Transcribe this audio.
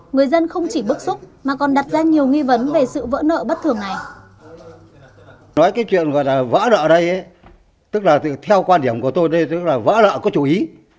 người dân không chỉ bức xúc mà còn đặt ra nhiều nghi vấn về sự vỡ nợ bất thường này